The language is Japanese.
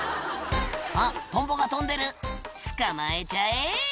「あっトンボが飛んでる捕まえちゃえ！」